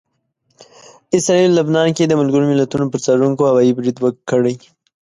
اسراییلو لبنان کې د ملګرو ملتونو پر څارونکو هوايي برید کړی